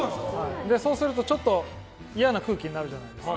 そうすると、嫌な空気なるじゃないですか。